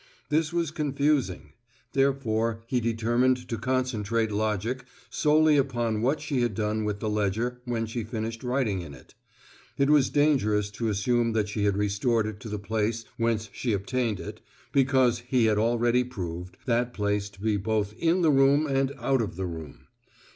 This was confusing; therefore he determined to concentrate logic solely upon what she had done with the ledger when she finished writing in it. It was dangerous to assume that she had restored it to the place whence she obtained it, because he had already proved that place to be both in the room and out of the room.